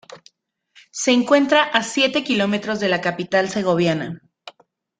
Se encuentra a siete km de la capital segoviana.